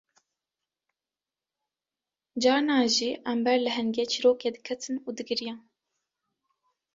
Carnan jî em ber lehengê çîrokê diketin û digiriyan